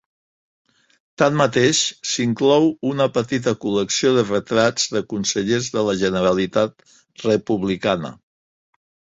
Tanmateix s'inclou una petita col·lecció de retrats de consellers de la Generalitat Republicana.